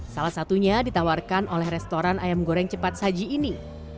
salah satunya ditawarkan oleh restoran ayam goreng cepat saji ini